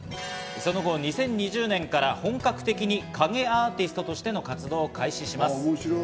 その後、２０２０年から本格的に影アーティストとしての活動を開始します。